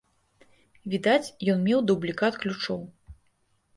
Відаць, ён меў дублікат ключоў.